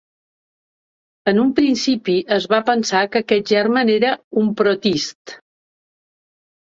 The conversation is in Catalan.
En un principi es va pensar que aquest germen era un protist.